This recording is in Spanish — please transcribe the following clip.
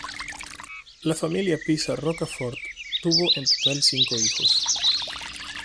La familia Piza Rocafort tuvo en total cinco hijos.